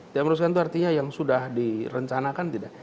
tidak meneruskan itu artinya yang sudah direncanakan tidak